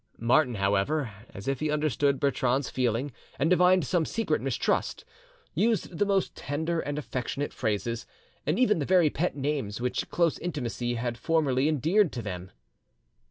Martin, however, as if he understood Bertrande's feeling and divined some secret mistrust, used the most tender and affectionate phrases, and even the very pet names which close intimacy had formerly endeared to them.